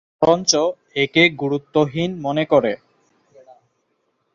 বরঞ্চ একে গুরুত্বহীন মনে করে।